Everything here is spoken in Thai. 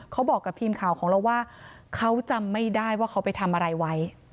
เขาบอกกับทีมข่าวของเราว่าเขาจำไม่ได้ว่าเขาไปทำอะไรไว้